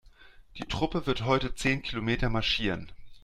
Die Truppe wird heute zehn Kilometer marschieren.